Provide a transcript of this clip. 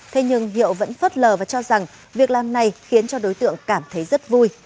thế nhưng hiệu vẫn phất lờ và cho rằng việc làm này khiến cho đối tượng cảm thấy rất vui